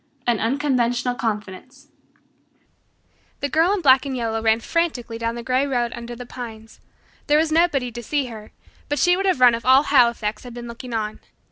An Unconventional Confidence The Girl in Black and Yellow ran frantically down the grey road under the pines. There was nobody to see her, but she would have run if all Halifax had been looking on.